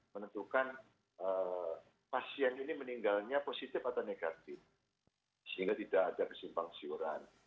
menentukan pasien ini meninggalnya positif atau negatif sehingga tidak ada kesimpang siuran